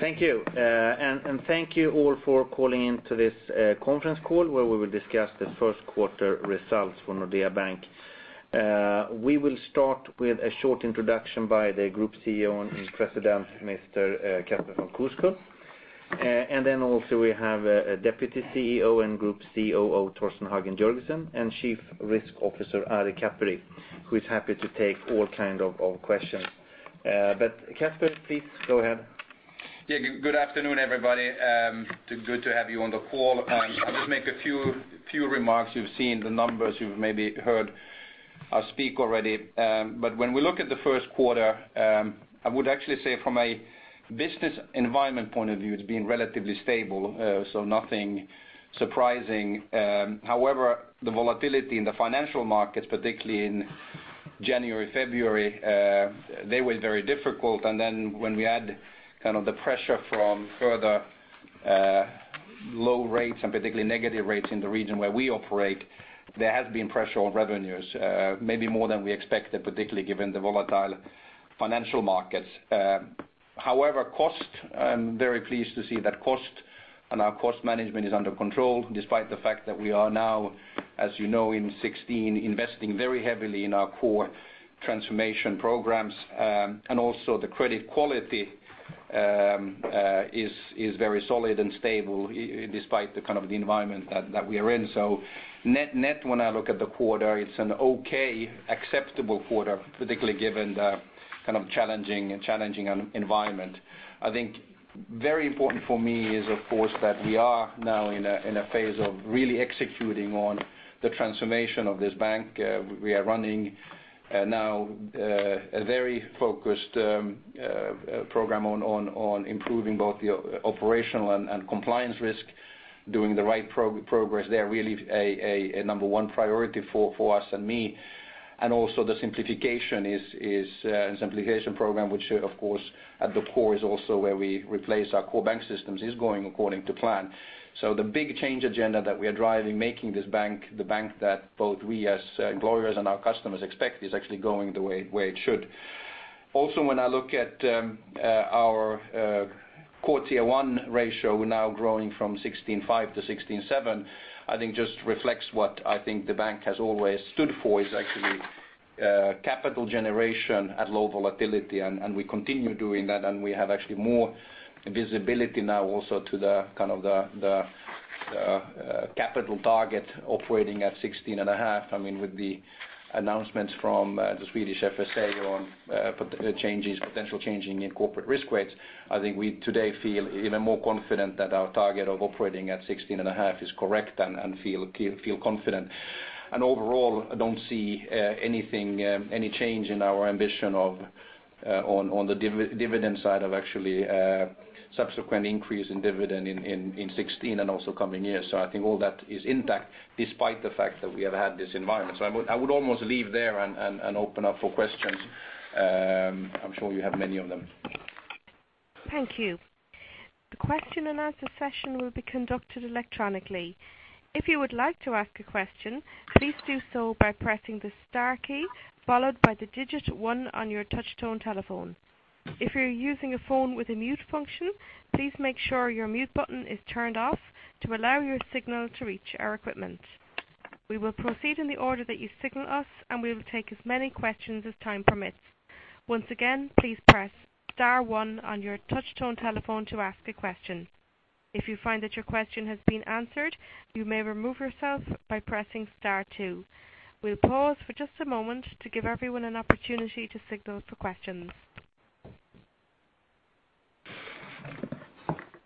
Thank you. Thank you all for calling in to this conference call where we will discuss the first quarter results for Nordea Bank. We will start with a short introduction by the Group CEO and President, Mr. Casper von Koskull. Also we have Deputy CEO and Group COO, Torsten Hagen Jørgensen, and Chief Risk Officer, Ari Kaperi, who is happy to take all kinds of questions. Casper, please go ahead. Good afternoon, everybody. Good to have you on the call. I'll just make a few remarks. You've seen the numbers. You've maybe heard us speak already. When we look at the first quarter, I would actually say from a business environment point of view, it's been relatively stable, so nothing surprising. However, the volatility in the financial markets, particularly in January, February, they were very difficult. When we add the pressure from further low rates and particularly negative rates in the region where we operate, there has been pressure on revenues, maybe more than we expected, particularly given the volatile financial markets. However, cost, I'm very pleased to see that cost and our cost management is under control, despite the fact that we are now, as you know, in 2016, investing very heavily in our core transformation programs. Also the credit quality is very solid and stable despite the environment that we are in. Net, when I look at the quarter, it's an okay, acceptable quarter, particularly given the challenging environment. I think very important for me is, of course, that we are now in a phase of really executing on the transformation of this bank. We are running now a very focused program on improving both the operational and compliance risk, doing the right progress there, really a number one priority for us and me. Also the simplification program, which of course, at the core is also where we replace our core bank systems, is going according to plan. The big change agenda that we are driving, making this bank the bank that both we as employers and our customers expect, is actually going the way it should. Also when I look at our Core Tier 1 ratio now growing from 16.5 to 16.7, I think just reflects what I think the bank has always stood for, is actually capital generation at low volatility, and we continue doing that, and we have actually more visibility now also to the capital target operating at 16.5. With the announcements from the Swedish FSA on potential changing in corporate risk weights, I think we today feel even more confident that our target of operating at 16.5 is correct and feel confident. Overall, I don't see any change in our ambition on the dividend side of actually subsequent increase in dividend in 2016 and also coming years. I think all that is intact despite the fact that we have had this environment. I would almost leave there and open up for questions. I'm sure you have many of them. Thank you. The question and answer session will be conducted electronically. If you would like to ask a question, please do so by pressing the star key followed by the digit one on your touch-tone telephone. If you're using a phone with a mute function, please make sure your mute button is turned off to allow your signal to reach our equipment. We will proceed in the order that you signal us, and we will take as many questions as time permits. Once again, please press star one on your touch-tone telephone to ask a question. If you find that your question has been answered, you may remove yourself by pressing star two. We'll pause for just a moment to give everyone an opportunity to signal for questions.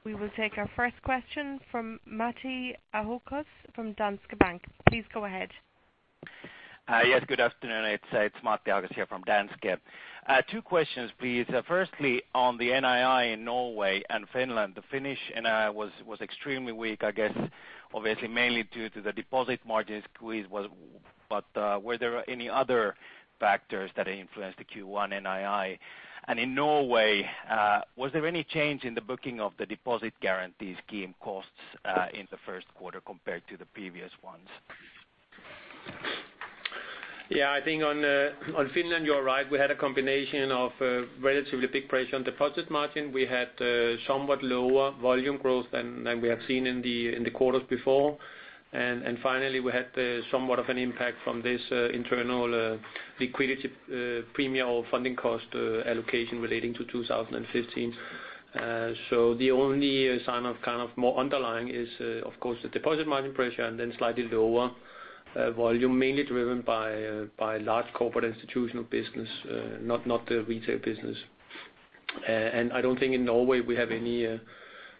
We will take our first question from Matti Ahokas from Danske Bank. Please go ahead. Yes, good afternoon. It's Matti Ahokas here from Danske. Two questions, please. Firstly, on the NII in Norway and Finland. The Finnish NII was extremely weak, I guess obviously mainly due to the deposit margin squeeze. Were there any other factors that influenced the Q1 NII? In Norway, was there any change in the booking of the deposit guarantee scheme costs in the first quarter compared to the previous ones? I think on Finland, you're right. We had a combination of relatively big pressure on deposit margin. We had somewhat lower volume growth than we have seen in the quarters before. Finally, we had somewhat of an impact from this internal liquidity premium or funding cost allocation relating to 2015. The only sign of more underlying is, of course, the deposit margin pressure and then slightly lower volume, mainly driven by large corporate institutional business, not the retail business. I don't think in Norway we have any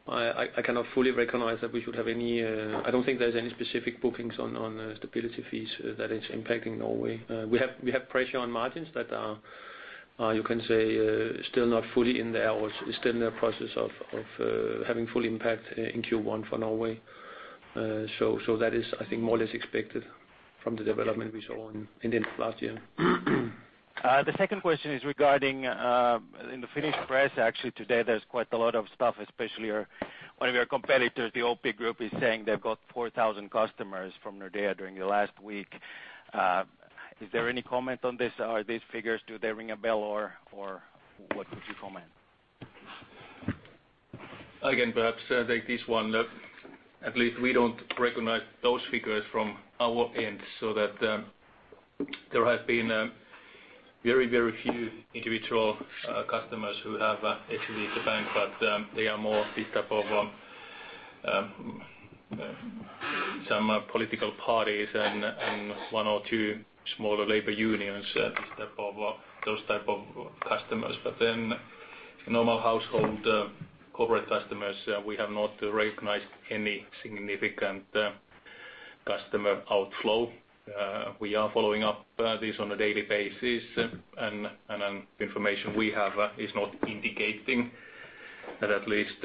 I cannot fully recognize that we should have any I don't think there's any specific bookings on stability fees that is impacting Norway. We have pressure on margins that are, you can say, still not fully in there or still in the process of having full impact in Q1 for Norway. That is, I think, more or less expected from the development we saw in the end of last year. The second question is regarding in the Finnish press actually today, there's quite a lot of stuff, especially one of your competitors, the OP Group, is saying they've got 4,000 customers from Nordea during the last week. Is there any comment on this? Are these figures, do they ring a bell or what would you comment? Perhaps I'll take this one. At least we don't recognize those figures from our end, so that there have been very few individual customers who have exited the bank, but they are more this type of some political parties and one or two smaller labor unions, those type of customers. Normal household corporate customers, we have not recognized any significant customer outflow. We are following up this on a daily basis, and information we have is not indicating that at least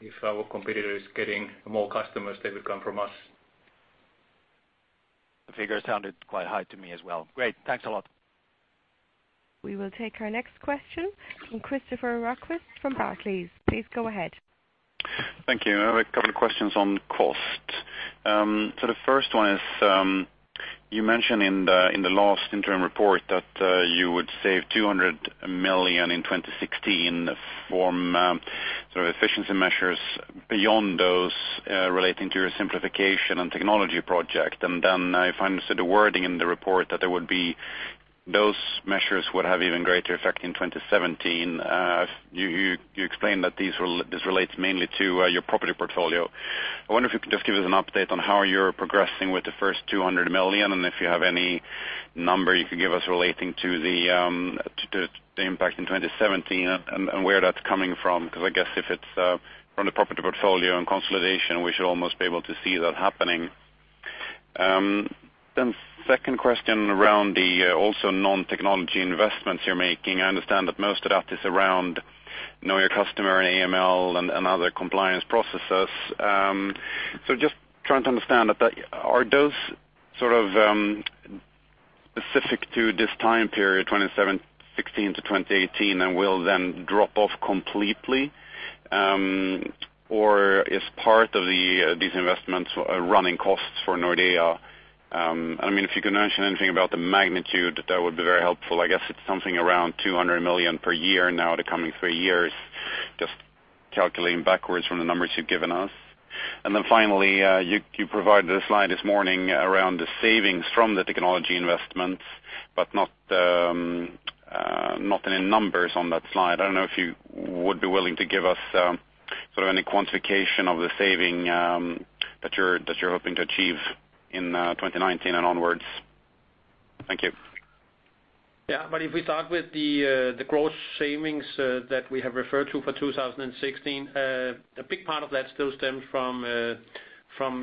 if our competitor is getting more customers, they will come from us. The figure sounded quite high to me as well. Great. Thanks a lot. We will take our next question from Christopher Manners from Barclays. Please go ahead. Thank you. I have a couple of questions on cost. The first one is, you mentioned in the last interim report that you would save 200 million in 2016 from efficiency measures beyond those relating to your simplification and technology project. If I understood the wording in the report, those measures would have even greater effect in 2017. You explained that this relates mainly to your property portfolio. I wonder if you could just give us an update on how you're progressing with the first 200 million, and if you have any number you could give us relating to the impact in 2017 and where that's coming from. Because I guess if it's from the property portfolio and consolidation, we should almost be able to see that happening. Then second question around the also non-technology investments you're making. I understand that most of that is around know your customer and AML and other compliance processes. Just trying to understand, are those specific to this time period, 2016 to 2018, and will then drop off completely? Or is part of these investments running costs for Nordea? If you could mention anything about the magnitude, that would be very helpful. I guess it's something around 200 million per year now the coming three years, just calculating backwards from the numbers you've given us. Finally, you provided a slide this morning around the savings from the technology investments, but not any numbers on that slide. I don't know if you would be willing to give us any quantification of the saving that you're hoping to achieve in 2019 and onwards. Thank you. If we start with the gross savings that we have referred to for 2016, a big part of that still stems from,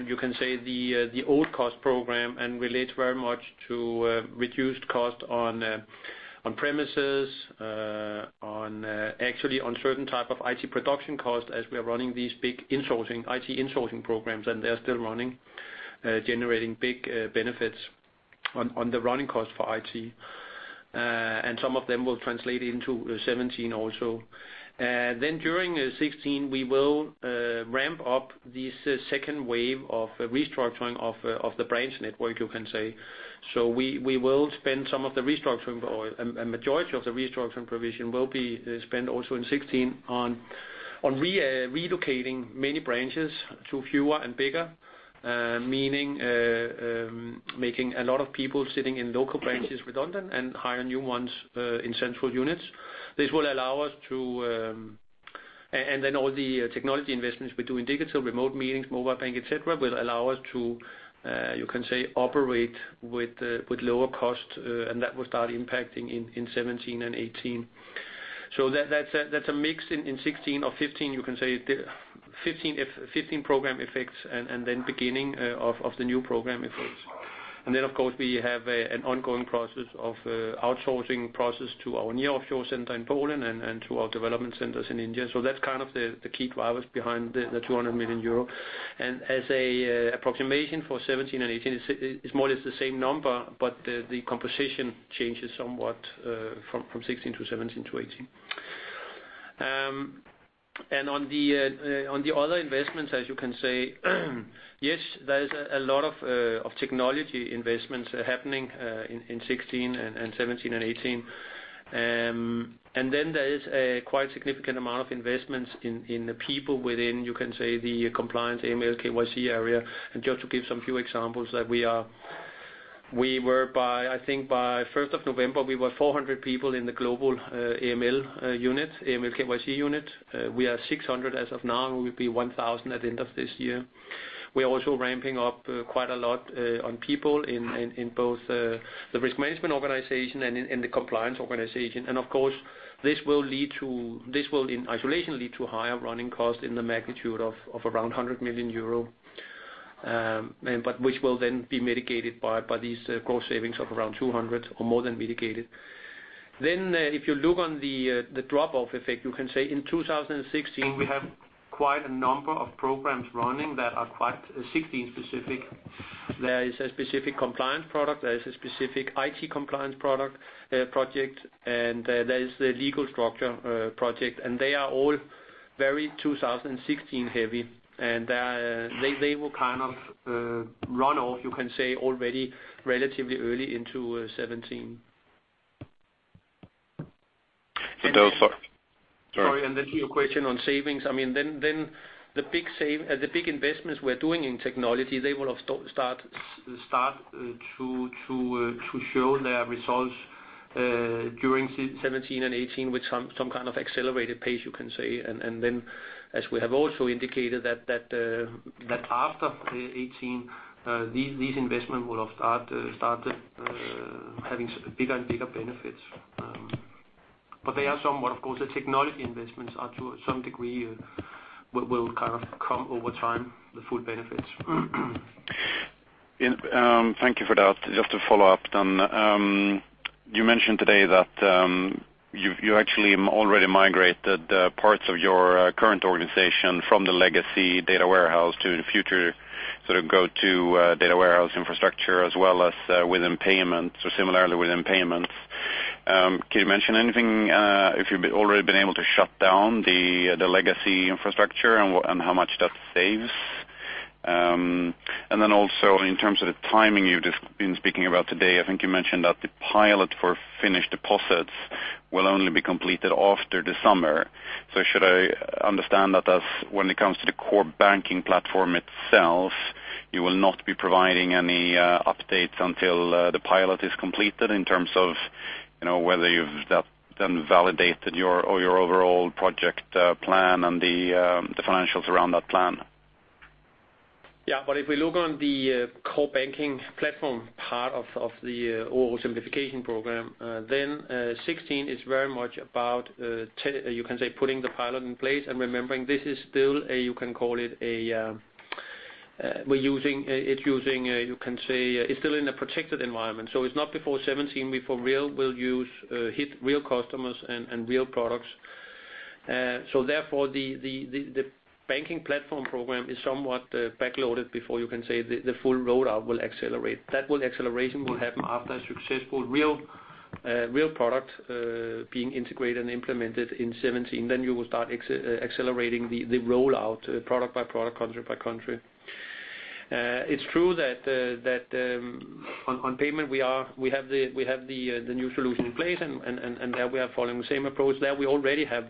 you can say the old cost program and relates very much to reduced cost on premises, actually on certain type of IT production costs as we are running these big IT insourcing programs, they're still running, generating big benefits on the running cost for IT. Some of them will translate into 2017 also. During 2016, we will ramp up this second wave of restructuring of the branch network, you can say. We will spend some of the restructuring, a majority of the restructuring provision will be spent also in 2016 on relocating many branches to fewer and bigger, meaning making a lot of people sitting in local branches redundant and hire new ones in central units. All the technology investments we do in digital, remote meetings, mobile bank, et cetera, will allow us to, you can say, operate with lower cost, and that will start impacting in 2017 and 2018. That's a mix in 2016 or 2015, you can say. 2015 program effects and then beginning of the new program effects. Of course, we have an ongoing outsourcing process to our nearshore center in Poland and to our development centers in India. That's kind of the key drivers behind the 200 million euro. As an approximation for 2017 and 2018, it's more or less the same number, but the composition changes somewhat from 2016 to 2017 to 2018. On the other investments, as you can say, yes, there is a lot of technology investments happening in 2016 and 2017 and 2018. There is a quite significant amount of investments in the people within, you can say, the compliance AML, KYC area. Just to give some few examples, I think by November 1st, we were 400 people in the global AML unit, AML KYC unit. We are 600 as of now, and we'll be 1,000 at the end of this year. We are also ramping up quite a lot on people in both the risk management organization and in the compliance organization. Of course, this will, in isolation, lead to higher running costs in the magnitude of around 100 million euro, but which will then be mitigated by these gross savings of around 200 million or more than mitigated. If you look on the drop-off effect, you can say, in 2016, we have quite a number of programs running that are quite 2016 specific. There is a specific compliance project, there is a specific IT compliance project, and there is the legal structure project, and they are all very 2016 heavy. They will kind of run off, you can say, already relatively early into 2017. Those are. Sorry, and then to your question on savings, the big investments we're doing in technology, they will have start to show their results during 2017 and 2018 with some kind of accelerated pace, you can say. As we have also indicated that after 2018, these investment will have started having bigger and bigger benefits. They are somewhat, of course, the technology investments are to some degree, will come over time, the full benefits. Thank you for that. Just to follow up then. You mentioned today that you actually already migrated parts of your current organization from the legacy data warehouse to the future go-to data warehouse infrastructure, as well as within payments, so similarly within payments. Can you mention anything, if you've already been able to shut down the legacy infrastructure and how much that saves? Also in terms of the timing you've been speaking about today, I think you mentioned that the pilot for Finnish deposits will only be completed after the summer. Should I understand that as when it comes to the core banking platform itself, you will not be providing any updates until the pilot is completed in terms of whether you've then validated your overall project plan and the financials around that plan? Yeah. If we look on the core banking platform part of the overall simplification program, 2016 is very much about, you can say, putting the pilot in place and remembering this is still a, it's still in a protected environment. It's not before 2017 we for real will use hit real customers and real products. Therefore the banking platform program is somewhat backloaded before, you can say, the full rollout will accelerate. That acceleration will happen after a successful real product being integrated and implemented in 2017. You will start accelerating the rollout product by product, country by country. It's true that on payment, we have the new solution in place, and there we are following the same approach. There we already have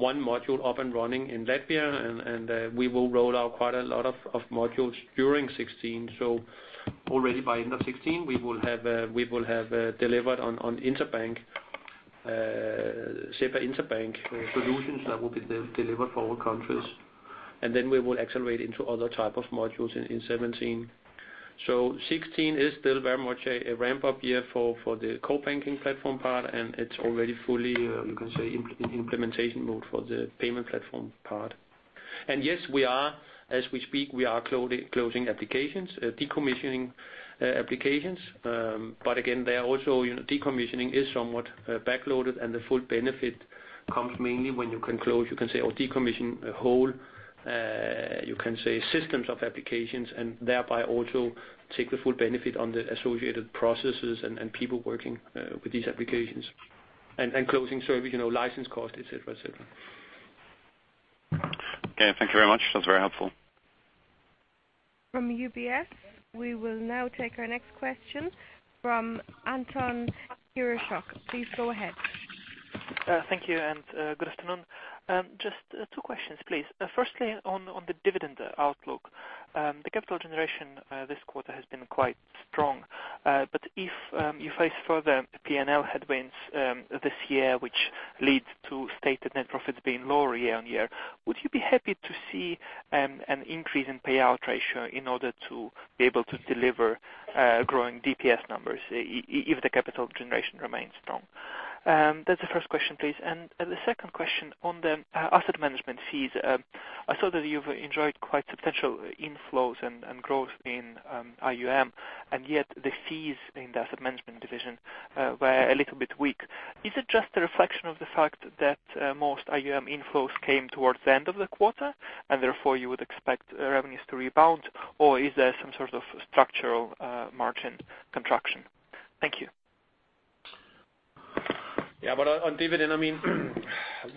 one module up and running in Latvia, and we will roll out quite a lot of modules during 2016. Already by end of 2016, we will have delivered on SEPA interbank solutions that will be delivered for all countries. We will accelerate into other type of modules in 2017. 2016 is still very much a ramp-up year for the core banking platform part, and it's already fully, you can say, in implementation mode for the payment platform part. Yes, as we speak, we are closing applications, decommissioning applications. Again, decommissioning is somewhat backloaded, and the full benefit comes mainly when you can close, you can say, or decommission a whole systems of applications and thereby also take the full benefit on the associated processes and people working with these applications. Closing service, license cost, et cetera. Okay. Thank you very much. That was very helpful. From UBS, we will now take our next question from Anton Kryachok. Please go ahead. Thank you. Good afternoon. Just two questions, please. Firstly, on the dividend outlook. The capital generation this quarter has been quite strong. If you face further P&L headwinds this year, which leads to stated net profits being lower year-on-year, would you be happy to see an increase in payout ratio in order to be able to deliver growing DPS numbers if the capital generation remains strong? That's the first question, please. The second question on the asset management fees. I saw that you've enjoyed quite substantial inflows and growth in AUM, and yet the fees in the asset management division were a little bit weak. Is it just a reflection of the fact that most AUM inflows came towards the end of the quarter, and therefore you would expect revenues to rebound? Is there some sort of structural margin contraction? Thank you. Yeah. On dividend,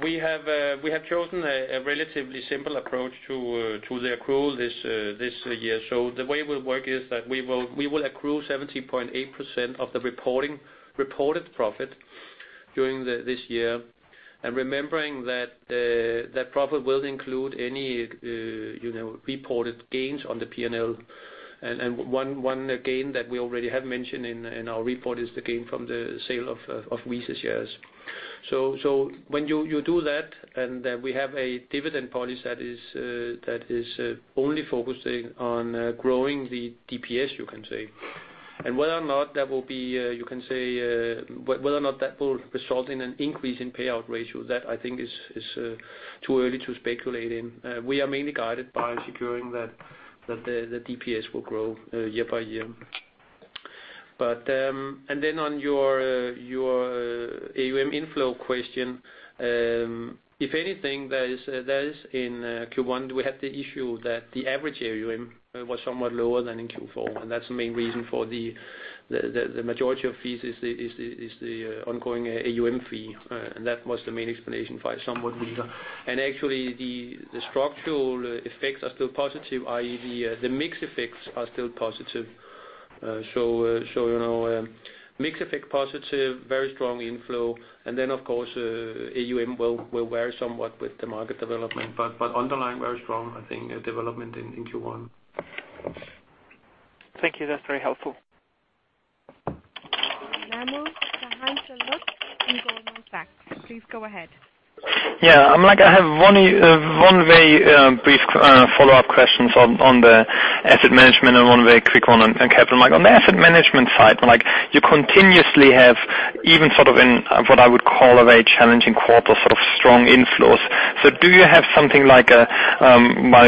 we have chosen a relatively simple approach to the accrual this year. The way it will work is that we will accrue 70.8% of the reported profit during this year. Remembering that that profit will include any reported gains on the P&L. One gain that we already have mentioned in our report is the gain from the sale of Visa shares. When you do that, we have a dividend policy that is only focusing on growing the DPS, you can say. Whether or not that will result in an increase in payout ratio, that I think is too early to speculate in. We are mainly guided by securing that the DPS will grow year-by-year. On your AUM inflow question, if anything, that is in Q1, we had the issue that the average AUM was somewhat lower than in Q4, and that's the main reason for the majority of fees is the ongoing AUM fee. That was the main explanation for a somewhat weaker. Actually the structural effects are still positive, i.e., the mix effects are still positive. Mix effect positive, very strong inflow, of course, AUM will vary somewhat with the market development, but underlying very strong, I think, development in Q1. Thank you. That's very helpful. We now move to Hans. Please go ahead. I have one very brief follow-up question on the asset management and one very quick one on capital. On the asset management side, you continuously have even in what I would call a very challenging quarter, strong inflows. Do you have something like?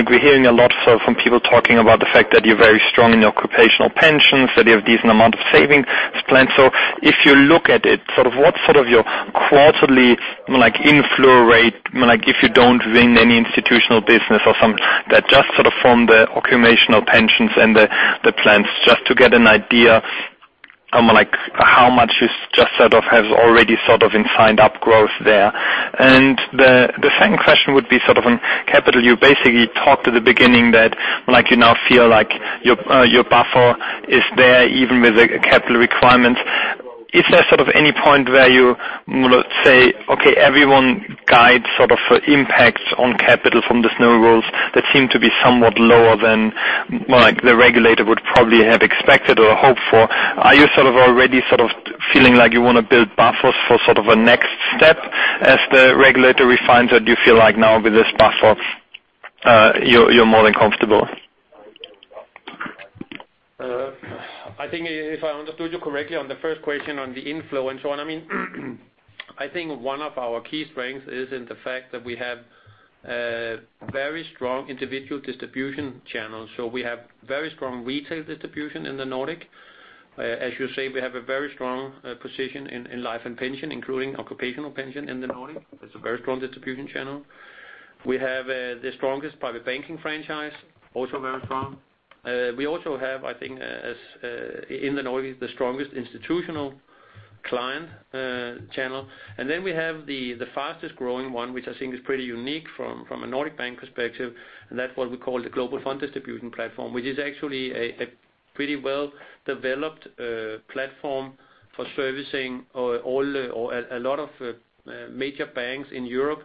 We're hearing a lot from people talking about the fact that you're very strong in your occupational pensions, that you have decent amount of savings plan. If you look at it, what's your quarterly inflow rate if you don't win any institutional business or something like that, just from the occupational pensions and the plans, just to get an idea how much is just has already in signed up growth there. The second question would be on capital. You basically talked at the beginning that you now feel like your buffer is there even with the capital requirements. Is there any point where you will not say, okay, everyone guide impacts on capital from this new rules that seem to be somewhat lower than the regulator would probably have expected or hoped for? Are you already feeling like you want to build buffers for a next step as the regulator refines that you feel like now with this buffers, you are more than comfortable? I think if I understood you correctly on the first question on the inflow and so on. I think one of our key strengths is in the fact that we have very strong individual distribution channels. We have very strong retail distribution in the Nordic. As you say, we have a very strong position in life and pension, including occupational pension in the Nordic. It is a very strong distribution channel. We have the strongest private banking franchise, also very strong. We also have, I think, in the Nordic, the strongest institutional client channel. We have the fastest growing one, which I think is pretty unique from a Nordic Bank perspective, and that is what we call the global fund distribution platform, which is actually a pretty well-developed platform for servicing all or a lot of major banks in Europe,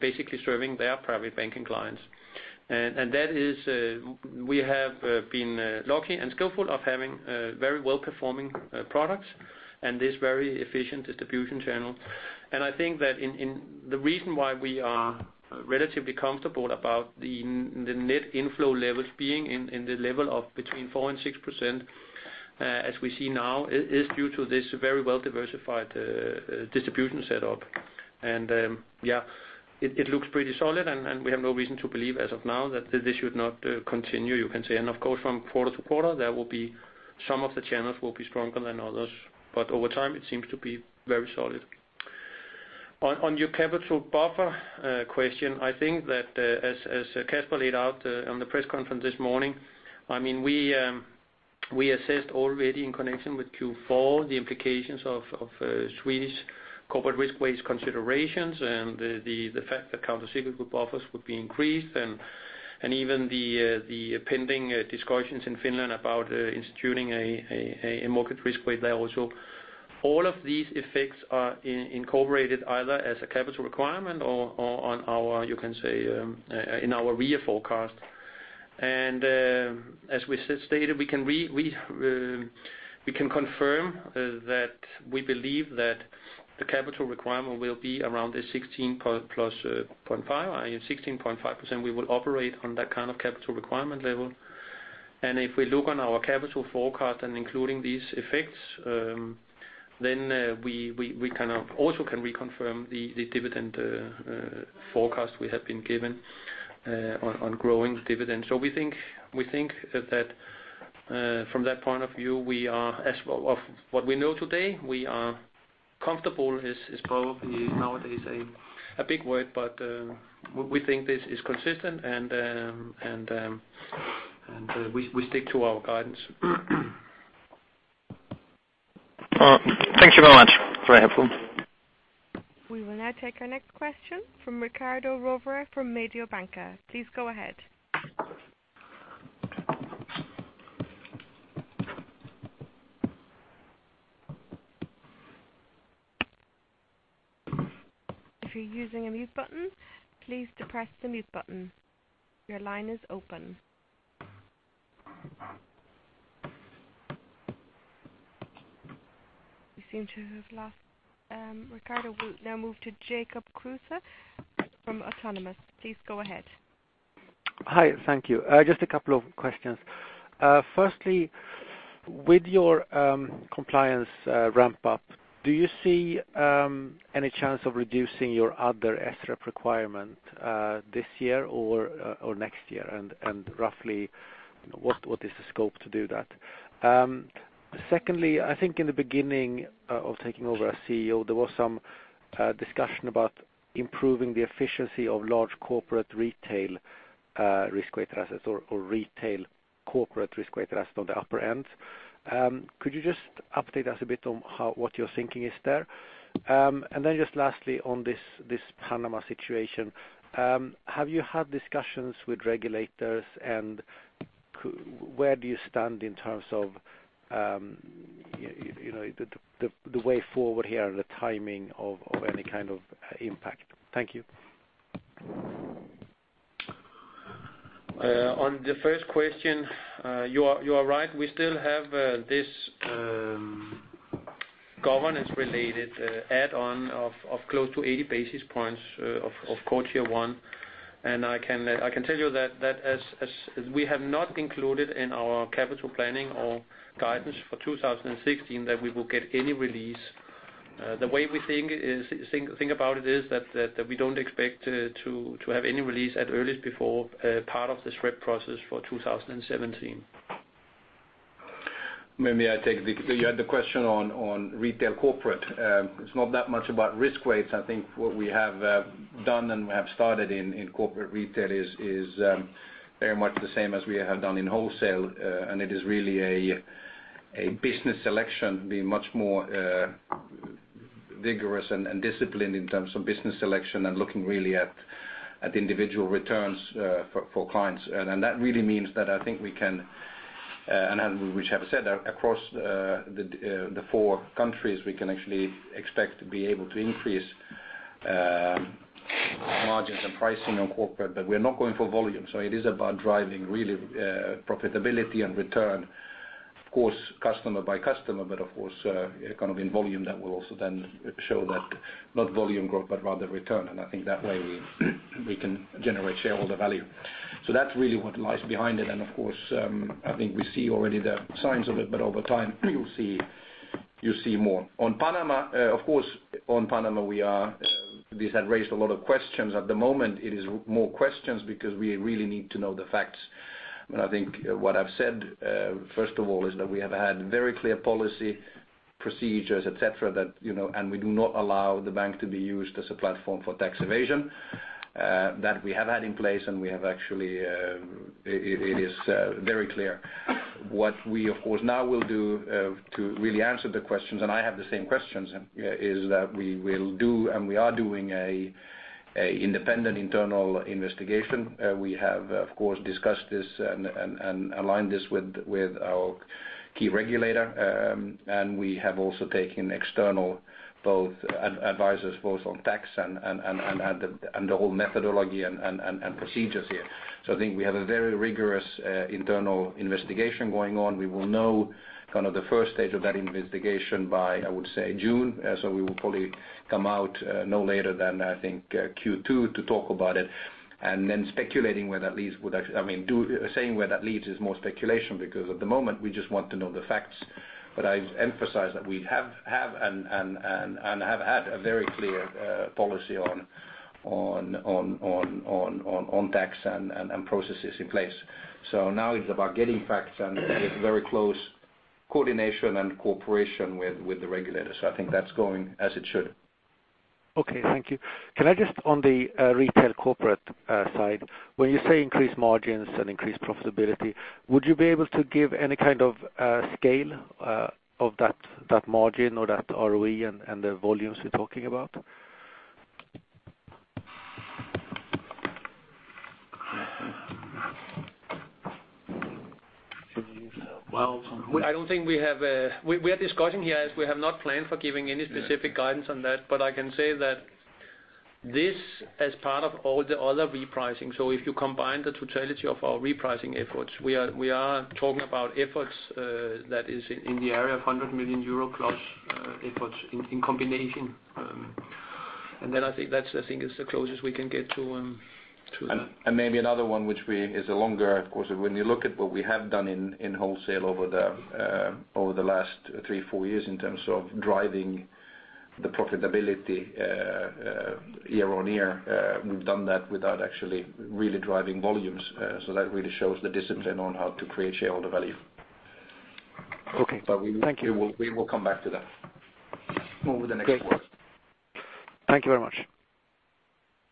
basically serving their private banking clients. We have been lucky and skillful of having very well-performing products and this very efficient distribution channel. I think that the reason why we are relatively comfortable about the net inflow levels being in the level of between 4% and 6%, as we see now, is due to this very well-diversified distribution set up. It looks pretty solid, and we have no reason to believe as of now that this should not continue, you can say. Of course, from quarter to quarter, some of the channels will be stronger than others, but over time, it seems to be very solid. On your capital buffer question, I think that as Casper laid out on the press conference this morning, we assessed already in connection with Q4 the implications of Swedish corporate risk-weighted assets considerations and the fact that countercyclical buffer would be increased and even the pending discussions in Finland about instituting a market risk weight there also. All of these effects are incorporated either as a capital requirement or on our, you can say, in our RWA forecast. As we stated, we can confirm that we believe that the capital requirement will be around the 16.5%, i.e., 16.5%. We will operate on that kind of capital requirement level. If we look on our capital forecast and including these effects, then we also can reconfirm the dividend forecast we have been given on growing dividend. We think that from that point of view, of what we know today, we are comfortable is probably nowadays a big word, but we think this is consistent, and we stick to our guidance. Thank you very much. Very helpful. We will now take our next question from Riccardo Rovere from Mediobanca. Please go ahead. If you're using a mute button, please depress the mute button. Your line is open. We seem to have lost Riccardo. We will now move to Jacob Kruse from Autonomous. Please go ahead. Hi. Thank you. Just a couple of questions. Firstly, with your compliance ramp up, do you see any chance of reducing your other SREP requirement this year or next year? Roughly, what is the scope to do that? Secondly, I think in the beginning of taking over as CEO, there was some discussion about improving the efficiency of large corporate retail risk-weighted assets or retail corporate risk-weighted asset on the upper end. Could you just update us a bit on what your thinking is there? Just lastly on this Panama situation, have you had discussions with regulators and where do you stand in terms of the way forward here and the timing of any kind of impact? Thank you. On the first question, you are right. We still have this governance related add-on of close to 80 basis points of Core Tier 1. I can tell you that as we have not included in our capital planning or guidance for 2016, that we will get any release. The way we think about it is that we don't expect to have any release at earliest before part of the SREP process for 2017. Maybe I take the other question on retail corporate. It's not that much about risk weights. I think what we have done and we have started in corporate retail is very much the same as we have done in wholesale. It is really a business selection, being much more vigorous and disciplined in terms of business selection and looking really at individual returns for clients. That really means that I think we can, and as we have said, across the four countries, we can actually expect to be able to increase margins and pricing on corporate, but we're not going for volume. It is about driving really profitability and return, of course, customer by customer. Of course, economy in volume that will also then show that not volume growth, but rather return. I think that way we can generate shareholder value. That's really what lies behind it. Of course, I think we see already the signs of it, but over time you'll see more. On Panama, of course, on Panama, this has raised a lot of questions. At the moment it is more questions because we really need to know the facts. I think what I've said, first of all, is that we have had very clear policy procedures, et cetera. We do not allow the bank to be used as a platform for tax evasion. That we have had in place. It is very clear. What we of course now will do to really answer the questions, and I have the same questions, is that we will do, and we are doing an independent internal investigation. We have, of course, discussed this and aligned this with our key regulator. We have also taken external both advisors, both on tax and the whole methodology and procedures here. I think we have a very rigorous internal investigation going on. We will know the first stage of that investigation by, I would say June. We will probably come out no later than, I think, Q2 to talk about it. Then saying where that leads is more speculation, because at the moment we just want to know the facts. I emphasize that we have and have had a very clear policy on tax and processes in place. Now it's about getting facts and with very close coordination and cooperation with the regulators. I think that's going as it should. Okay. Thank you. Can I just on the retail corporate side, when you say increase margins and increase profitability, would you be able to give any kind of scale of that margin or that ROE and the volumes you're talking about? Well, I don't think we are discussing here, as we have not planned for giving any specific guidance on that. I can say that this as part of all the other repricing. If you combine the totality of our repricing efforts, we are talking about efforts that is in the area of 100 million euro plus efforts in combination. I think that's the closest we can get to that. Maybe another one, which is a longer, of course, when you look at what we have done in wholesale over the last three, four years in terms of driving the profitability year-on-year, we've done that without actually really driving volumes. That really shows the discipline on how to create shareholder value. Okay. Thank you. We will come back to that over the next quarter. Thank you very much.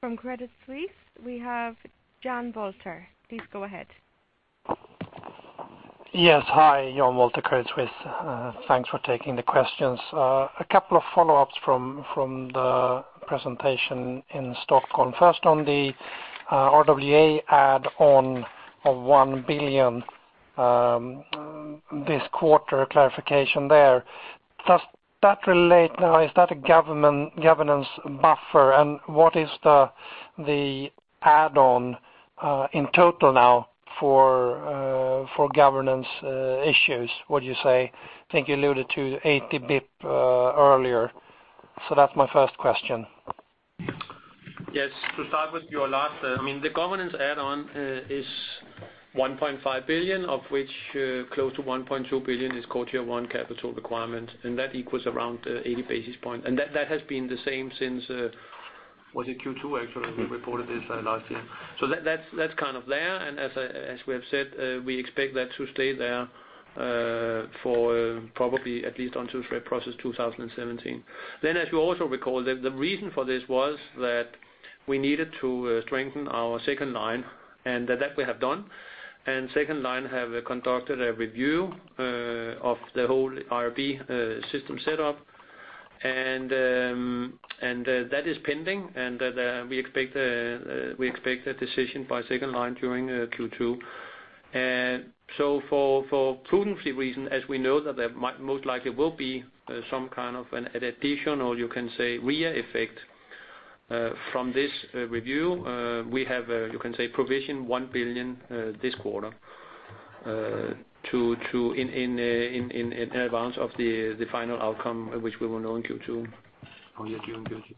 From Credit Suisse, we have Jan Wolter. Please go ahead. Hi, Jan Wolter, Credit Suisse. Thanks for taking the questions. A couple of follow-ups from the presentation in Stockholm. First on the RWA add-on of 1 billion this quarter, clarification there. Does that relate now, is that a governance buffer and what is the add-on in total now for governance issues would you say? I think you alluded to 80 basis points earlier. That's my first question. Yes. To start with your last, the governance add-on is 1.5 billion of which close to 1.2 billion is Core Tier 1 capital requirement, and that equals around 80 basis points. That has been the same since, was it Q2 actually we reported this last year. That's kind of there. As we have said we expect that to stay there for probably at least until SREP process 2017. As you also recall, the reason for this was that we needed to strengthen our second line, and that we have done. Second line have conducted a review of the whole IRB system setup, and that is pending, and we expect a decision by second line during Q2. For prudency reason, as we know that there most likely will be some kind of an addition, or you can say RWA effect from this review. We have, you can say, provision 1 billion this quarter in advance of the final outcome, which we will know in Q2. Only know in Q2.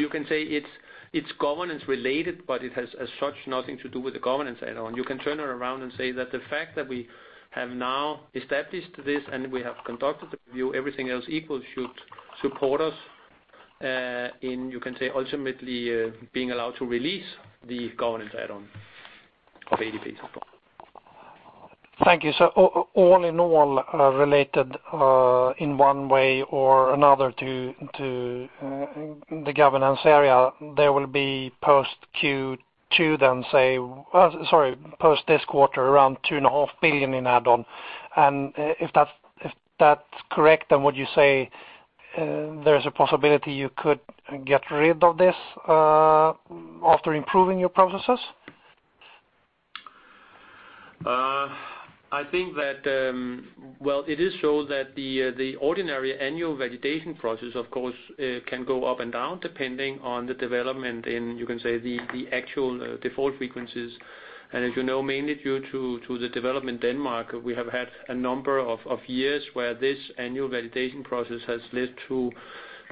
You can say it's governance related, but it has as such nothing to do with the governance add-on. You can turn it around and say that the fact that we have now established this and we have conducted the review, everything else equal should support us in, you can say ultimately, being allowed to release the governance add-on of 80 basis points. Thank you. All in all, related in one way or another to the governance area, there will be post this quarter around two and a half billion EUR in add-on. If that's correct, would you say there's a possibility you could get rid of this after improving your processes? I think that, well, it is so that the ordinary annual validation process, of course, can go up and down depending on the development in, you can say, the actual default frequencies. As you know, mainly due to the development in Denmark, we have had a number of years where this annual validation process has led to,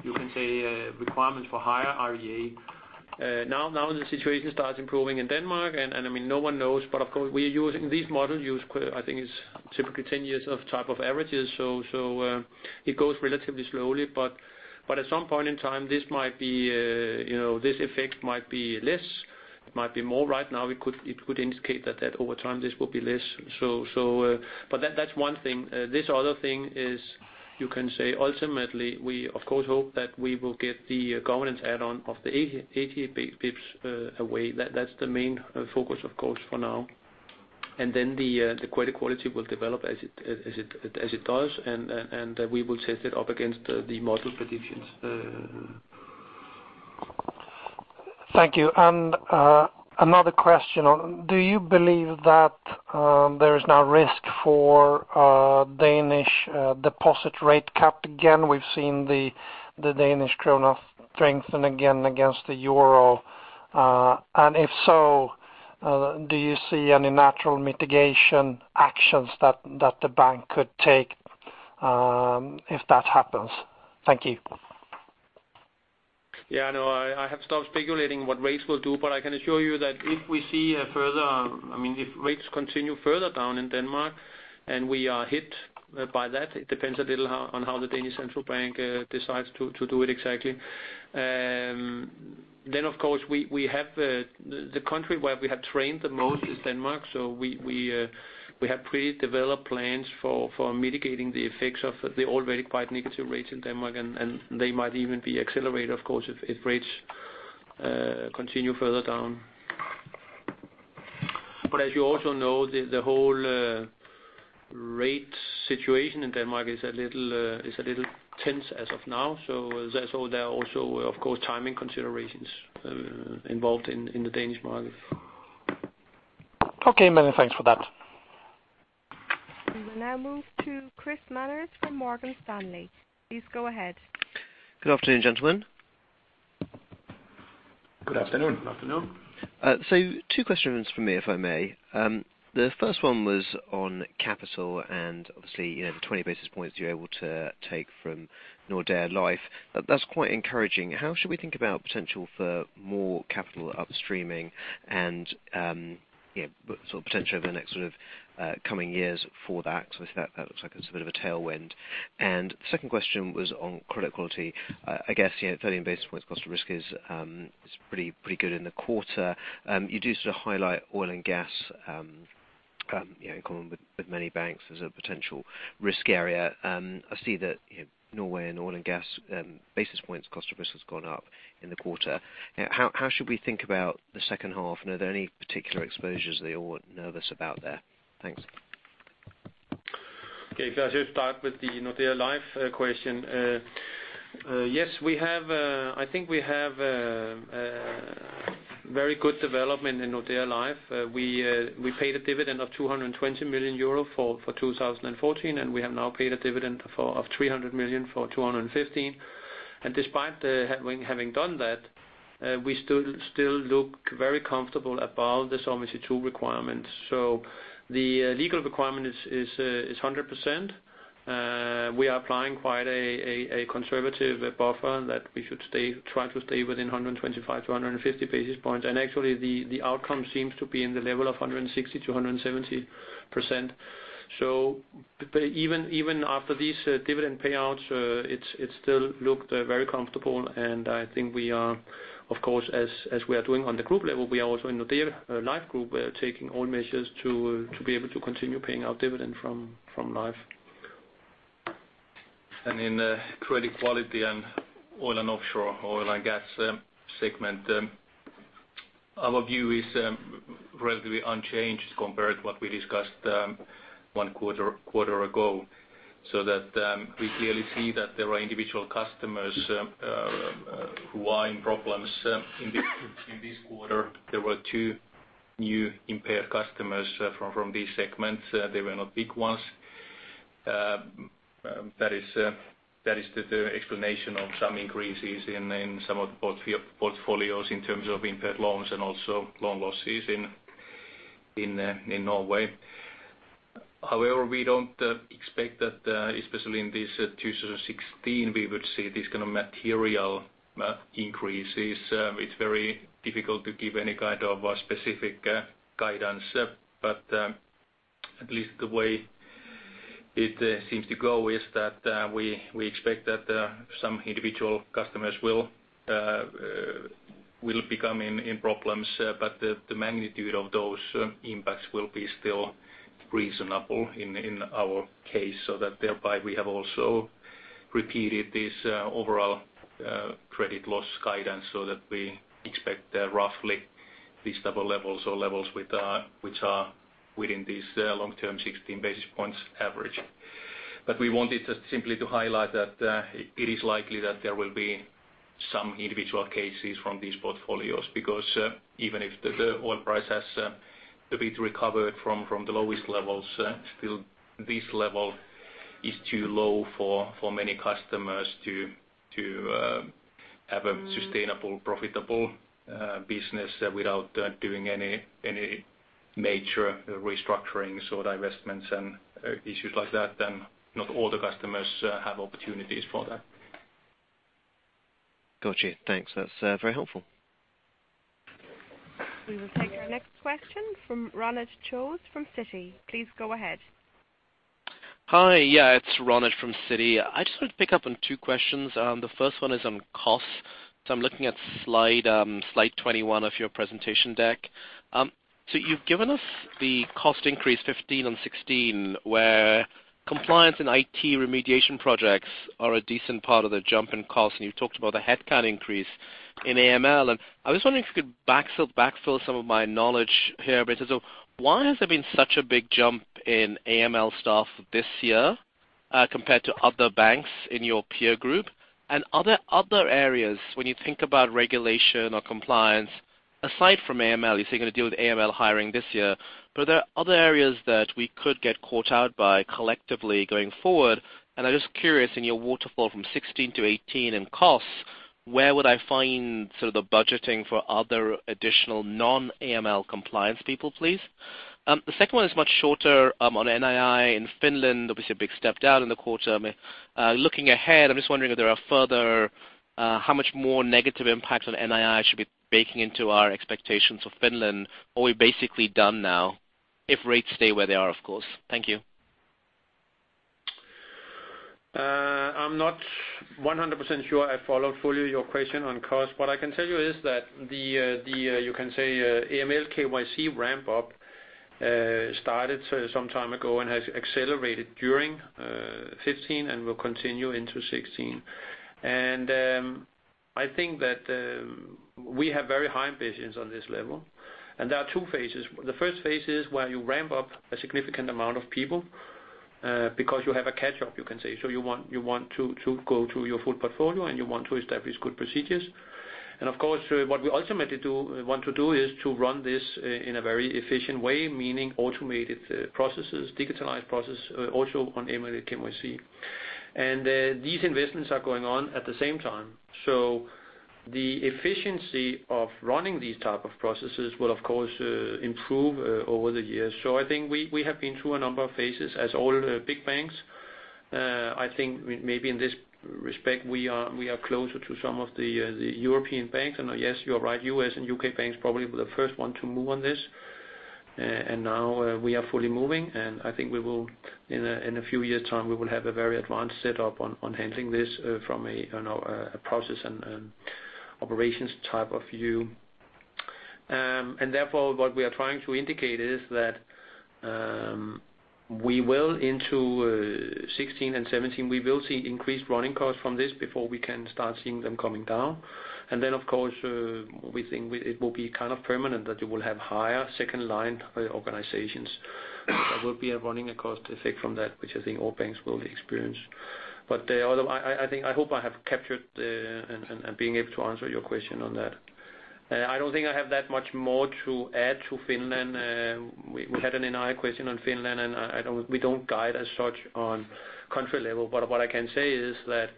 you can say, requirements for higher RWA. Now the situation starts improving in Denmark, no one knows, but of course we are using these models used, I think it's typically 10 years of type of averages, so it goes relatively slowly. At some point in time, this effect might be less. It might be more. Right now it could indicate that over time this will be less. That's one thing. This other thing is, you can say ultimately, we of course hope that we will get the governance add-on of the 80 basis points away. That's the main focus, of course, for now. Then the credit quality will develop as it does, we will set it up against the model predictions. Thank you. Another question. Do you believe that there is now risk for Danish deposit rate cap again? We've seen the Danish kroner strengthen again against the EUR. If so, do you see any natural mitigation actions that the bank could take if that happens? Thank you. I have stopped speculating what rates will do, but I can assure you that if rates continue further down in Denmark, and we are hit by that, it depends a little on how the Danish central bank decides to do it exactly. Of course, the country where we have trained the most is Denmark, so we have pre-developed plans for mitigating the effects of the already quite negative rates in Denmark, and they might even be accelerated, of course, if rates continue further down. As you also know, the whole rate situation in Denmark is a little tense as of now. There are also, of course, timing considerations involved in the Danish market. Okay. Many thanks for that. We will now move to Chris Manners from Morgan Stanley. Please go ahead. Good afternoon, gentlemen. Good afternoon. Afternoon. Two questions from me, if I may. The first one was on capital, and obviously, the 20 basis points you are able to take from Nordea Life. That is quite encouraging. How should we think about potential for more capital upstreaming and potential over the next coming years for that? Because that looks like it is a bit of a tailwind. The second question was on credit quality. I guess, 30 basis points cost of risk is pretty good in the quarter. You do sort of highlight oil and gas in common with many banks as a potential risk area. I see that Norway and oil and gas basis points cost of risk has gone up in the quarter. How should we think about the second half, and are there any particular exposures that you are nervous about there? Thanks. Okay. If I should start with the Nordea Life question. Yes, I think we have very good development in Nordea Life. We paid a dividend of 220 million euro for 2014, and we have now paid a dividend of 300 million for 2015. Despite having done that, we still look very comfortable about the Solvency II requirements. The legal requirement is 100%. We are applying quite a conservative buffer that we should try to stay within 125-150 basis points. Actually, the outcome seems to be in the level of 160%-170%. Even after these dividend payouts, it still looked very comfortable, and I think we are, of course, as we are doing on the group level, we are also in Nordea Life Group, we are taking all measures to be able to continue paying our dividend from Life. In credit quality and oil and offshore, oil and gas segment, our view is relatively unchanged compared to what we discussed one quarter ago, that we clearly see that there are individual customers who are in problems in this quarter. There were two new impaired customers from these segments. They were not big ones. That is the explanation of some increases in some of the portfolios in terms of impaired loans and also loan losses in Norway. However, we do not expect that, especially in this 2016, we would see this kind of material increases. It is very difficult to give any kind of a specific guidance. At least the way it seems to go is that we expect that some individual customers will become in problems, but the magnitude of those impacts will be still reasonable in our case. Thereby we have also repeated this overall credit loss guidance so that we expect roughly these type of levels or levels which are within this long-term 16 basis points average. We wanted just simply to highlight that it is likely that there will be some individual cases from these portfolios, because even if the oil price has a bit recovered from the lowest levels, still this level is too low for many customers to have a sustainable, profitable business without doing any major restructurings or divestments and issues like that, then not all the customers have opportunities for that. Got you. Thanks. That's very helpful. We will take our next question from Ronit Ghose from Citi. Please go ahead. Hi. Yeah, it's Ronit from Citi. I just want to pick up on 2 questions. The first one is on costs. I'm looking at slide 21 of your presentation deck. You've given us the cost increase 2015 and 2016, where compliance and IT remediation projects are a decent part of the jump in costs, and you've talked about the headcount increase in AML, and I was wondering if you could backfill some of my knowledge here a bit. Why has there been such a big jump in AML staff this year compared to other banks in your peer group, and are there other areas when you think about regulation or compliance, aside from AML, you're saying you're going to deal with AML hiring this year, but are there other areas that we could get caught out by collectively going forward? I'm just curious, in your waterfall from 2016 to 2018 in costs, where would I find sort of the budgeting for other additional non-AML compliance people, please? The second one is much shorter, on NII in Finland, obviously a big step down in the quarter. Looking ahead, I'm just wondering if there are further, how much more negative impact on NII should be baking into our expectations for Finland, or are we basically done now, if rates stay where they are, of course. Thank you. I'm not 100% sure I followed fully your question on cost. What I can tell you is that the, you can say, AML KYC ramp-up started some time ago and has accelerated during 2015 and will continue into 2016. I think that we have very high ambitions on this level, and there are 2 phases. The first phase is where you ramp up a significant amount of people because you have a catch-up, you can say. You want to go through your full portfolio, and you want to establish good procedures. Of course, what we ultimately want to do is to run this in a very efficient way, meaning automated processes, digitalized process, also on AML and KYC. These investments are going on at the same time. The efficiency of running these type of processes will, of course, improve over the years. I think we have been through a number of phases as all the big banks. I think maybe in this respect, we are closer to some of the European banks. Yes, you are right, U.S. and U.K. banks probably were the first one to move on this. Now we are fully moving, and I think in a few years' time, we will have a very advanced set-up on handling this from a process and operations type of view. Therefore, what we are trying to indicate is that we will into 2016 and 2017, we will see increased running costs from this before we can start seeing them coming down. Then, of course, we think it will be kind of permanent that you will have higher second line organizations. There will be a running cost effect from that, which I think all banks will experience. I hope I have captured and being able to answer your question on that. I don't think I have that much more to add to Finland. We had an NII question on Finland, we don't guide as such on country level. What I can say is that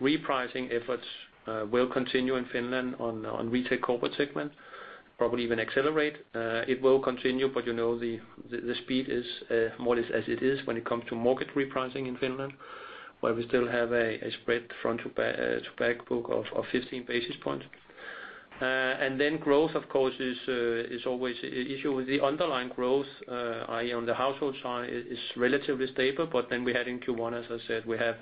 repricing efforts will continue in Finland on retail corporate segment, probably even accelerate. It will continue, but the speed is more or less as it is when it comes to market repricing in Finland, where we still have a spread front-to-back book of 15 basis points. Growth, of course, is always an issue. The underlying growth on the household side is relatively stable, but then we had in Q1, as I said, we have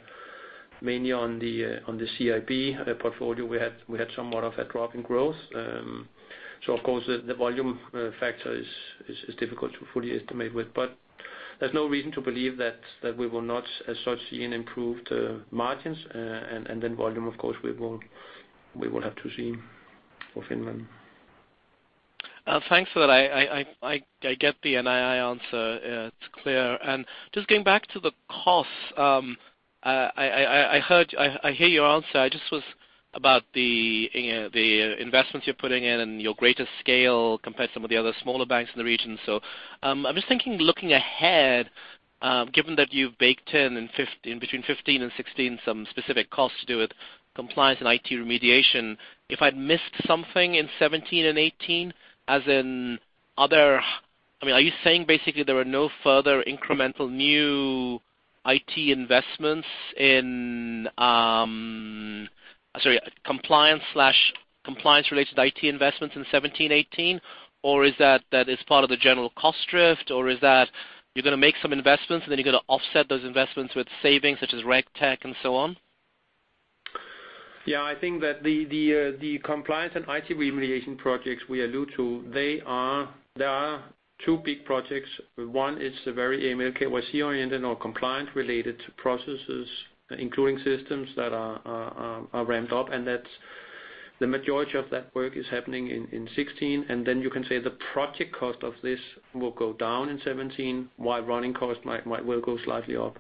Mainly on the CIB portfolio, we had somewhat of a drop in growth. Of course, the volume factor is difficult to fully estimate with. There's no reason to believe that we will not as such see an improved margins. Volume, of course, we will have to see for Finland. Thanks for that. I get the NII answer. It's clear. Just going back to the cost. I hear your answer, just was about the investments you're putting in and your greater scale compared to some of the other smaller banks in the region. I'm just thinking, looking ahead, given that you've baked in between 2015 and 2016, some specific costs to do with compliance and IT remediation. If I'd missed something in 2017 and 2018, as in other, are you saying basically there are no further incremental new compliance related IT investments in 2017, 2018, or is that as part of the general cost drift, or is that you're going to make some investments and then you're going to offset those investments with savings such as RegTech and so on? Yeah, I think that the compliance and IT remediation projects we allude to, there are two big projects. One is very AML, KYC oriented or compliance related to processes, including systems that are ramped up, and the majority of that work is happening in 2016. You can say the project cost of this will go down in 2017, while running costs might well go slightly up.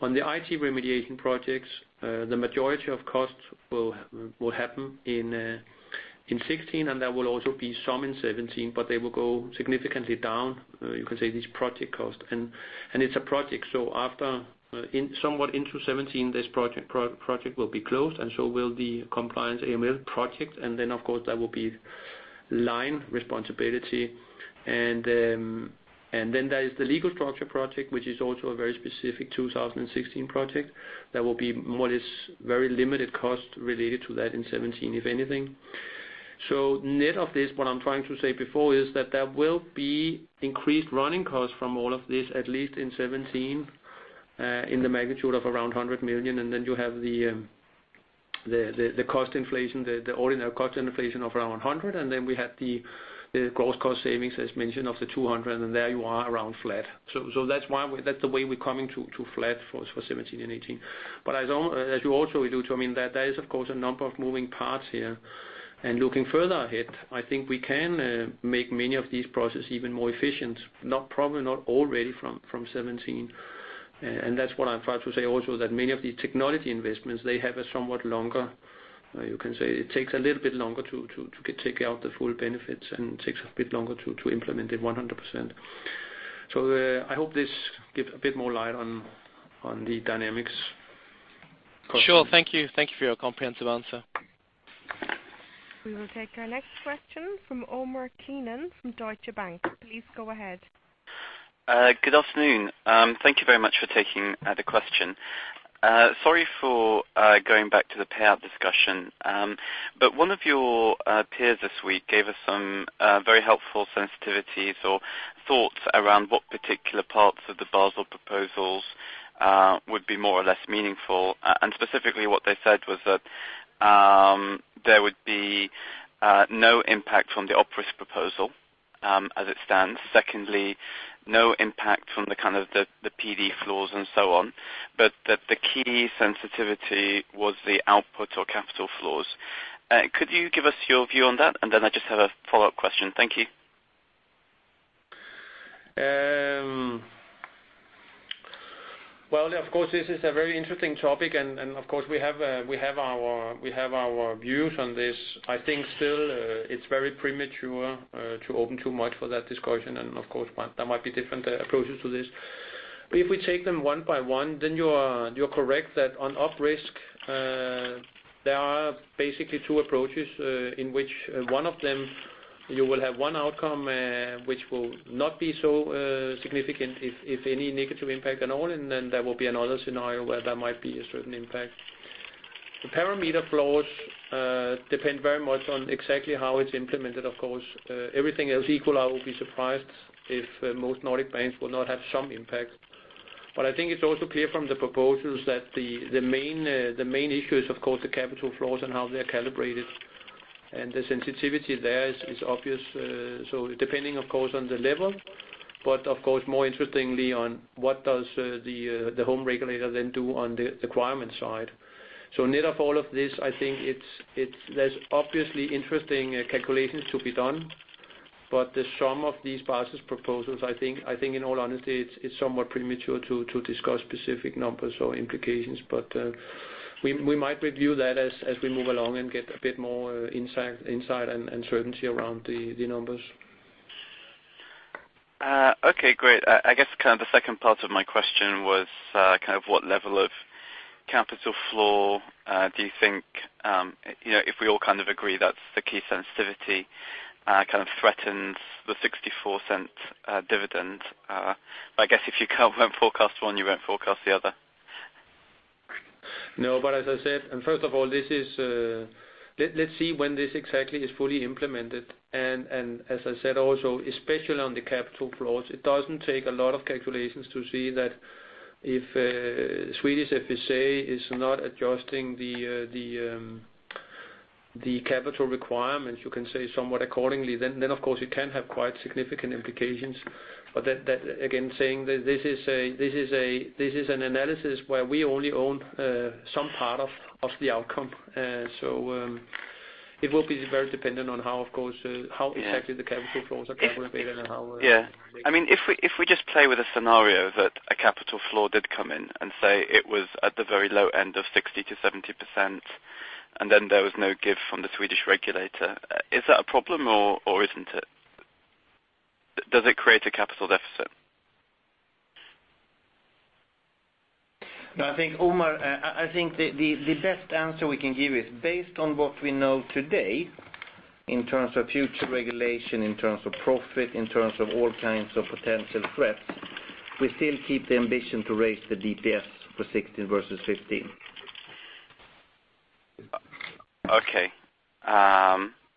On the IT remediation projects, the majority of costs will happen in 2016, and there will also be some in 2017, but they will go significantly down. You can say this project cost. It's a project, so somewhat into 2017, this project will be closed and so will the compliance AML project. Of course, there will be line responsibility. There is the legal structure project, which is also a very specific 2016 project that will be what is very limited cost related to that in 2017, if anything. Net of this, what I'm trying to say before is that there will be increased running costs from all of this, at least in 2017, in the magnitude of around 100 million. You have the ordinary cost inflation of around 100 million. We have the gross cost savings, as mentioned, of the 200 million. There you are, around flat. That's the way we're coming to flat for 2017 and 2018. As you also allude to, there is of course a number of moving parts here. Looking further ahead, I think we can make many of these processes even more efficient. Probably not already from 2017. That's what I'm trying to say also that many of these technology investments, they have a somewhat longer, you can say it takes a little bit longer to take out the full benefits and takes a bit longer to implement it 100%. I hope this gives a bit more light on the dynamics. Sure. Thank you. Thank you for your comprehensive answer. We will take our next question from Omar Keenan from Deutsche Bank. Please go ahead. Good afternoon. Thank you very much for taking the question. Sorry for going back to the payout discussion. One of your peers this week gave us some very helpful sensitivities or thoughts around what particular parts of the Basel proposals would be more or less meaningful. Specifically what they said was that there would be no impact from the op risk proposal as it stands. Secondly, no impact from the PD floors and so on, that the key sensitivity was the output or capital floors. Could you give us your view on that? I just have a follow-up question. Thank you. Well, of course this is a very interesting topic and of course we have our views on this. I think still it's very premature to open too much for that discussion. Of course there might be different approaches to this. If we take them one by one, then you are correct that on op risk, there are basically two approaches in which one of them you will have one outcome which will not be so significant if any negative impact at all, and then there will be another scenario where there might be a certain impact. The parameter floors depend very much on exactly how it's implemented, of course. Everything else equal, I will be surprised if most Nordic banks will not have some impact. I think it's also clear from the proposals that the main issue is of course the capital floors and how they are calibrated, and the sensitivity there is obvious. Depending, of course, on the level, but of course more interestingly on what does the home regulator then do on the requirement side. Net of all of this, I think there's obviously interesting calculations to be done, but the sum of these Basel proposals, I think in all honesty, it's somewhat premature to discuss specific numbers or implications. We might review that as we move along and get a bit more insight and certainty around the numbers. Okay, great. I guess the second part of my question was what level of capital floor do you think, if we all agree that's the key sensitivity threatens the 0.64 dividend. I guess if you can't forecast one, you won't forecast the other. No, but as I said, and first of all, let's see when this exactly is fully implemented. As I said also, especially on the capital floors, it doesn't take a lot of calculations to see that if Swedish FSA is not adjusting the capital requirements, you can say somewhat accordingly, then of course it can have quite significant implications. That, again, saying that this is an analysis where we only own some part of the outcome. It will be very dependent on how exactly the capital floors are calculated. Yeah. If we just play with a scenario that a capital floor did come in and say it was at the very low end of 60%-70%, and then there was no give from the Swedish regulator, is that a problem or isn't it? Does it create a capital deficit? I think, Omar, the best answer we can give is based on what we know today in terms of future regulation, in terms of profit, in terms of all kinds of potential threats, we still keep the ambition to raise the DPS for 2016 versus 2015.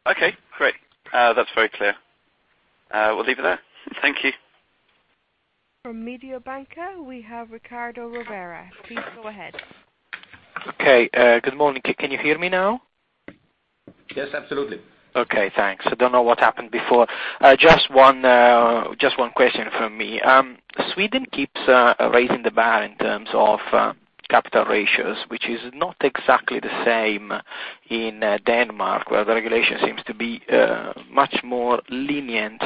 Great. That's very clear. We'll leave it there. Thank you. From Mediobanca, we have Riccardo Rovere. Please go ahead. Okay. Good morning. Can you hear me now? Yes, absolutely. Okay, thanks. I don't know what happened before. Just one question from me. Sweden keeps raising the bar in terms of capital ratios, which is not exactly the same in Denmark where the regulation seems to be much more lenient.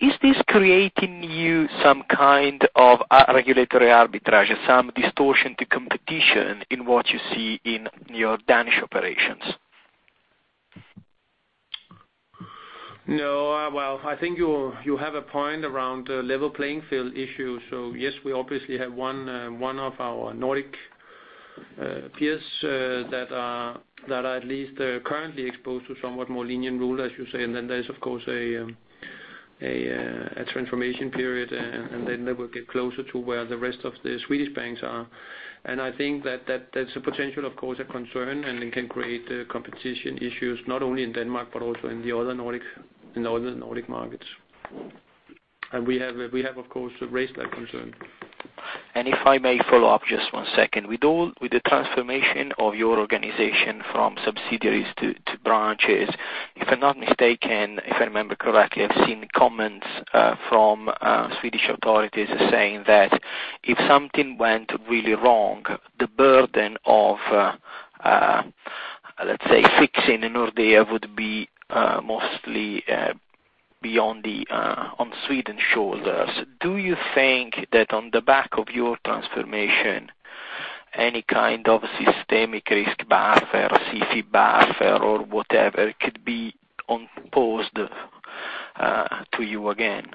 Is this creating you some kind of regulatory arbitrage, some distortion to competition in what you see in your Danish operations? No. Well, I think you have a point around the level playing field issue. Yes, we obviously have one of our Nordic peers that are at least currently exposed to somewhat more lenient rule, as you say. There is, of course, a transformation period. They will get closer to where the rest of the Swedish banks are. I think that's a potential, of course, a concern, and it can create competition issues not only in Denmark but also in the other Nordic markets. We have, of course, raised that concern. If I may follow up just one second. With the transformation of your organization from subsidiaries to branches, if I'm not mistaken, if I remember correctly, I've seen comments from Swedish authorities saying that if something went really wrong, the burden of, let's say, fixing Nordea would be mostly on Sweden's shoulders. Do you think that on the back of your transformation, any kind of systemic risk buffer, CCyB buffer, or whatever could be imposed to you again?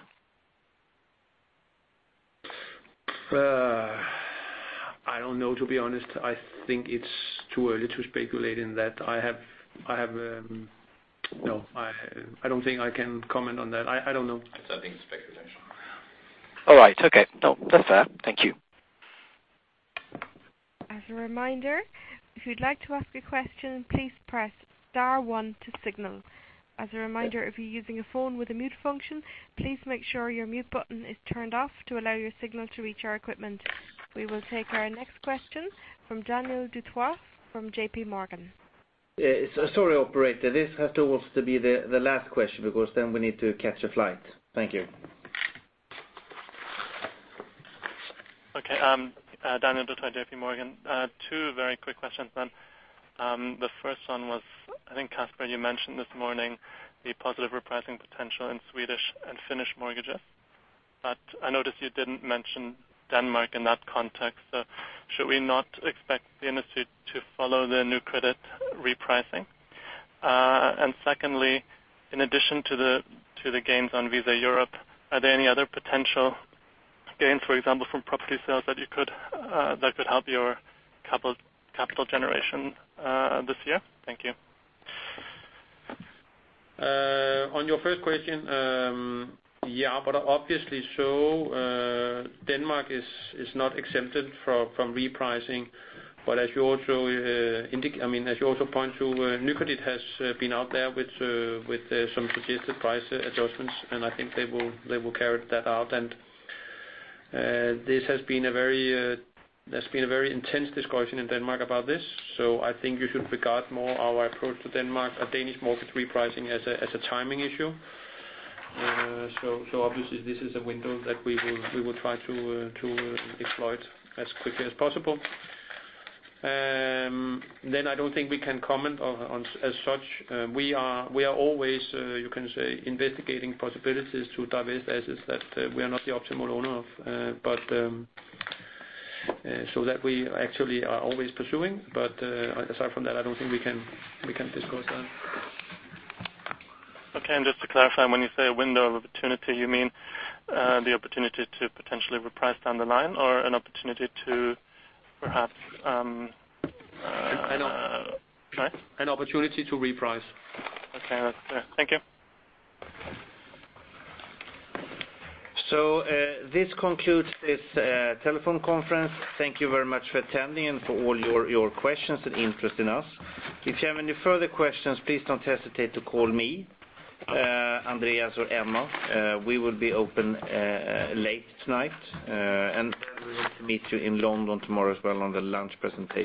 I don't know, to be honest. I think it's too early to speculate in that. I don't think I can comment on that. I don't know. It's I think speculation. All right. Okay. That's fair. Thank you. As a reminder, if you'd like to ask a question, please press star one to signal. As a reminder, if you're using a phone with a mute function, please make sure your mute button is turned off to allow your signal to reach our equipment. We will take our next question from Daniel DuBois from JP Morgan. Sorry, operator. This has to also be the last question because then we need to catch a flight. Thank you. Daniel DuBois, JP Morgan. Two very quick questions. The first one was, I think, Casper, you mentioned this morning the positive repricing potential in Swedish and Finnish mortgages. I noticed you didn't mention Denmark in that context, should we not expect the institute to follow the Nykredit repricing? Secondly, in addition to the gains on Visa Europe, are there any other potential gains, for example, from property sales that could help your capital generation this year? Thank you. On your first question, yeah, obviously, Denmark is not exempted from repricing. As you also point to where Nykredit has been out there with some suggested price adjustments, and I think they will carry that out. There's been a very intense discussion in Denmark about this. I think you should regard more our approach to Denmark, a Danish market repricing as a timing issue. Obviously, this is a window that we will try to exploit as quickly as possible. I don't think we can comment on as such. We are always, you can say, investigating possibilities to divest assets that we are not the optimal owner of. That we actually are always pursuing, but aside from that, I don't think we can discuss that. Okay. Just to clarify, when you say a window of opportunity, you mean the opportunity to potentially reprice down the line or an opportunity to perhaps Sorry? An opportunity to reprice. Okay. Thank you. This concludes this telephone conference. Thank you very much for attending and for all your questions and interest in us. If you have any further questions, please don't hesitate to call me, Andreas, or Emma. We will be open late tonight, and we will meet you in London tomorrow as well on the lunch presentation.